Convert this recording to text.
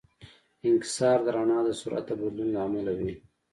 انکسار د رڼا د سرعت د بدلون له امله وي.